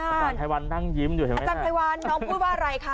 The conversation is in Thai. อาจารย์ไพรวันนั่งยิ้มอยู่ใช่ไหมอาจารย์ไพวันน้องพูดว่าอะไรคะ